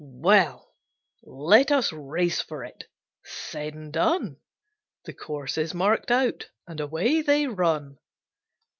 "Well, let us race for it!" said and done. The course is mark'd out, and away they run.